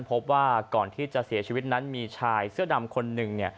พบว่าก่อนที่จะเสียชีวิตนั้นมีชายเสื้อดำคนหนึ่ง